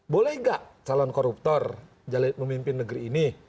boleh nggak calon koruptor memimpin negeri ini